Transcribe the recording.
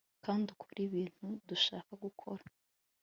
kandi ukore ibintu dushaka gukora